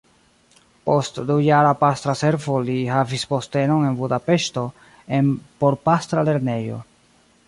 Post dujara pastra servo li havis postenon en Budapeŝto en porpastra lernejo.